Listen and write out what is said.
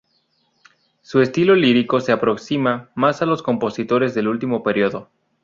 Su estilo lírico se aproxima más a los compositores del último periodo.